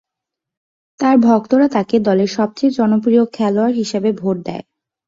তার ভক্তরা তাকে দলের সবচেয়ে জনপ্রিয় খেলোয়াড় হিসেবে ভোট দেয়।